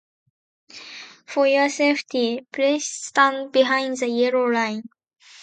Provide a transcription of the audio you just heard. For your safety, please stand behind the yellow line.